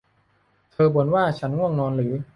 เธอบ่นว่า ฉันง่วงนอนหรือ